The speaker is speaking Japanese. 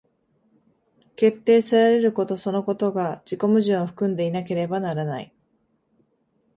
決定せられることそのことが自己矛盾を含んでいなければならない。